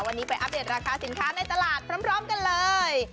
วันนี้ไปอัปเดตราคาสินค้าในตลาดพร้อมกันเลย